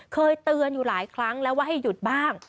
เคยเตือนอยู่หลายครั้งแล้วว่าให้หยุดบ้าง